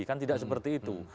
kan tidak seperti itu